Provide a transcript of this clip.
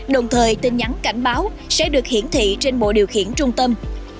đồng thời tin nhắn cảnh báo sẽ được hiển thị trên bộ điều khiển trung tâm